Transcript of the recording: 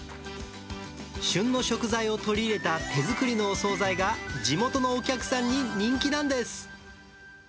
旬の食材を取り入れた手作りのお総菜が地元のお客さんに人気なんです。